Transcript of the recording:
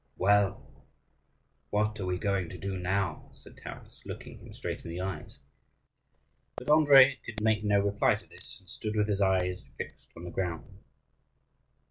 "Well, what are we going to do now?" said Taras, looking him straight in the eyes. But Andrii could make no reply to this, and stood with his eyes fixed on the ground.